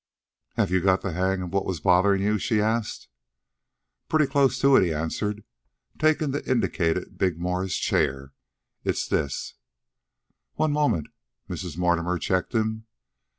"Have you got the hang of what was bothering you?" she asked. "Pretty close to it," he answered, taking the indicated big Morris chair. "It's this " "One moment," Mrs. Mortimer checked him.